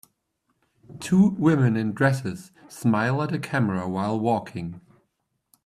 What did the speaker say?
two woman in dresses smile at a camera while walking.